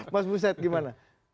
mas buset gimana